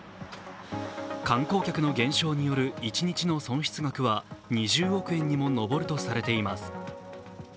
観光客の減少による一日の損失額は２０億円にも上るとされています。